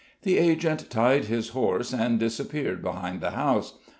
The agent tied his horse and disappeared behind the house.